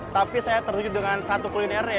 tapi saya terdiri dengan satu kuliner yang sangat banyak